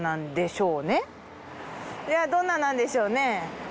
ではどんななんでしょうね？